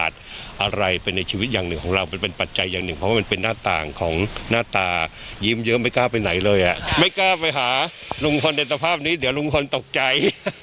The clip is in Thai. เดี๋ยวลุงพลตกใจ